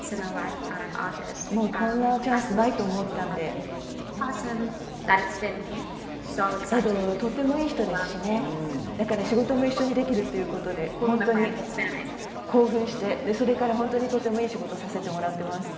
こんなチャンスないと思ったのでエドはとてもいい人ですしね、だから仕事も一緒にできるということで本当に興奮して、それからとてもいい仕事をさせてもらっています。